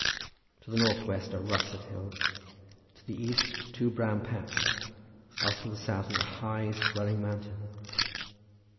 To the north west are russet hills, to the east two brown paps, whilst to the south is a high, swelling mountain.